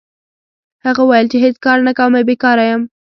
هغه وویل چې هېڅ کار نه کوم او بیکاره یم.